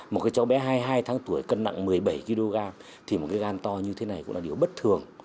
một cái cháu bé hai mươi hai tháng tuổi cân nặng một mươi bảy kg thì một cái gan to như thế này cũng là điều bất thường